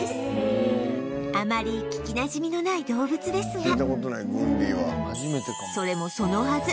あまり聞きなじみのない動物ですがそれもそのはず